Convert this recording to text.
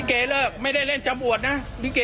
นิเกย์เลิกเราไม่ต้องพูดกันอีกจบ